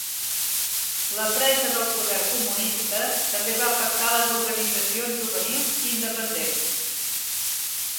La presa del poder comunista també va afectar les organitzacions juvenils independents.